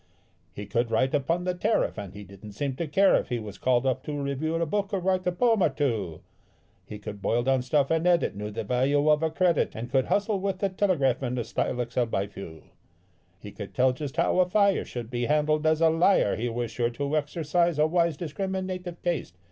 He could write upon the tariff, and he didn't seem to care if he was called off to review a book or write a poem or two: He could boil down stuff and edit, knew the value of a credit, and could hustle with the telegraph in a style excelled by few. He could tell just how a fire should be handled; as a liar he was sure to exercise a wise, discriminative taste.